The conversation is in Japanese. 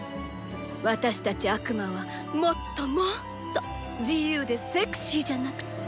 私たち悪魔はもっともっと自由でセクシーじゃなくちゃ。